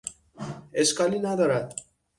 اشکالی ندارد.